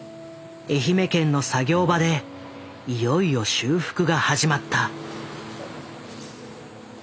愛媛県の作業場でいよいよ修復が始まった。